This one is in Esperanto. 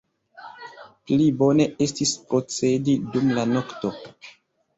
Pli bone estis procedi dum la nokto.